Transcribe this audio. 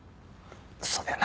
そうだよな。